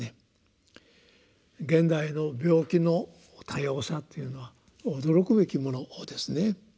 現代の病気の多様さっていうのは驚くべきものですね。